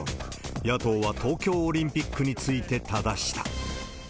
野党は東京オリンピックについてただした。